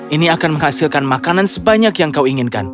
ini akan menghasilkan makanan sebanyak yang kau inginkan